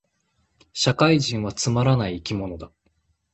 社会人はつまらない生き物だ